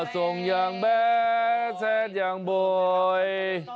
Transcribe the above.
ทรงยังแบดแซ่ดอย่างบ่อย